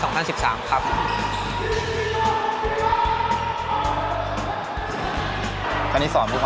ชายวาดแจ่งวจังครับปัจจุบันอายุ๒๗ปีครับ